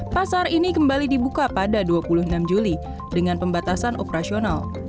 pasar ini kembali dibuka pada dua puluh enam juli dengan pembatasan operasional